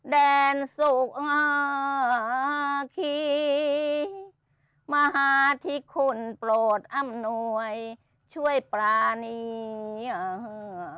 แดนสุขอ่าขี้มหาธิคุณโปรดอำนวยช่วยปลานีเอ่อเอ่อ